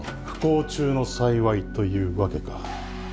・不幸中の幸いというわけか。